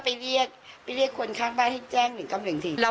ไปเรียกไปเรียกคนข้างบ้านให้แจ้งหนึ่งกับหนึ่งทีเรา